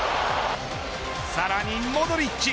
さらにモドリッチ。